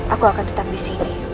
aku akan tetap di sini